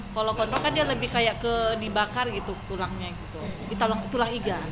kalau kontrol kan dia lebih kayak dibakar gitu tulangnya gitu tulang iga